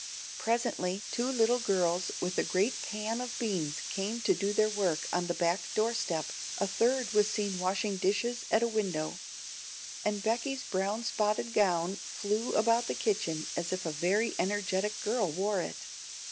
Presently two little girls with a great pan of beans came to do their work on the back doorstep, a third was seen washing dishes at a window, and Becky's brown spotted gown flew about the kitchen as if a very energetic girl wore it.